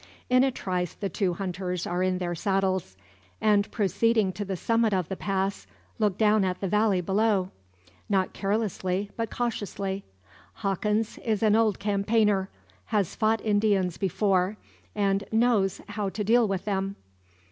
In a trice the two hunters are in their saddles; and proceeding to the summit of the pass, look down at the valley below. Not carelessly, but cautiously. Hawkins is an old campaigner, has fought Indians before, and knows how to deal with them.